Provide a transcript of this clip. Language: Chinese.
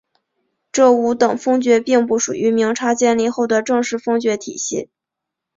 这五等封爵并不属于明朝建立后的正式封爵体系。